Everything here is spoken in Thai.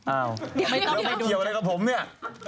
อ้าวเพราะไม่เกี่ยวอะไรกับผมนี่